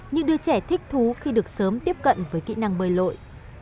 những đứa trẻ thích thú khi được sớm tiếp cận với kỹ năng bơi lội